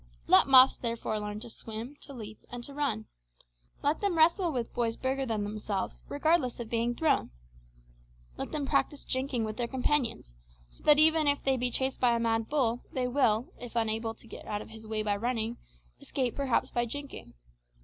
Let muffs, therefore, learn to swim, to leap, and to run. Let them wrestle with boys bigger than themselves, regardless of being thrown. Let them practise "jinking" with their companions, so that if even they be chased by a mad bull, they will, if unable to get out of his way by running, escape perhaps by jinking.